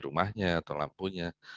rumahnya atau lampunya